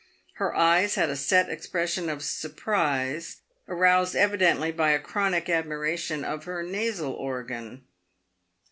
Her eyes had a set expression of surprise, aroused evidently by a chronic admiration of her nasal organ.